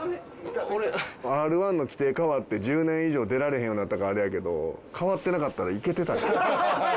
Ｒ−１の規定変わって１０年以上出られへんようになったからあれやけど変わってなかったらいけてた。